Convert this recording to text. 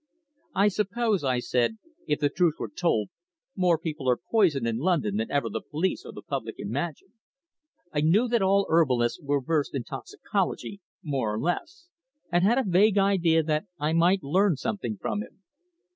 "I suppose," I said, "if the truth were told, more people are poisoned in London than ever the police or the public imagine." I knew that all herbalists were versed in toxicology more or less, and had a vague idea that I might learn something from him.